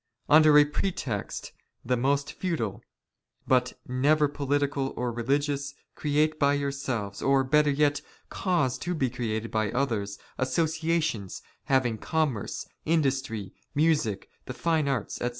Under a pretext the most futile, " but never political or religious, create by yourselves, or, 74 WAR OF ANTICHRIST WITH THE CHURCH. " better yet, cause to be created by others, associations, having "commerce, industry, music, the fine arts, etc.